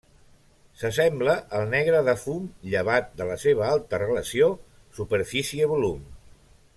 S'assembla al negre de fum llevat de la seva alta relació superfície-volum.